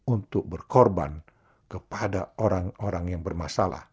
untuk berkorban kepada orang orang yang bermasalah